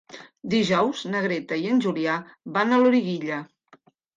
Dijous na Greta i en Julià van a Loriguilla.